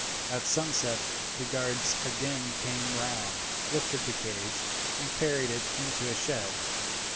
At sunset the guards again came round, lifted the cage, and carried it into a shed.